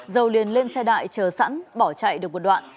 dầu liền lên xe đại chờ sẵn bỏ chạy được một đoạn